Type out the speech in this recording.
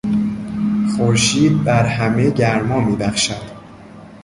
خورشید بر همه گرما میبخشد.